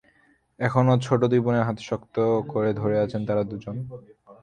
এখনো ছোট দুই বোনের হাত শক্ত করে ধরে আছেন তাঁরা দুজন।